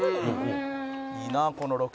「いいなこのロケ。